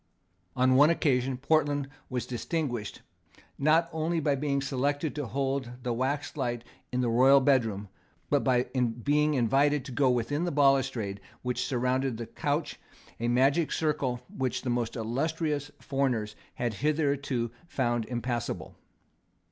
On one occasion Portland was distinguished, not only by being selected to hold the waxlight in the royal bedroom, but by being invited to go within the balustrade which surrounded the couch, a magic circle which the most illustrious foreigners had hitherto found impassable.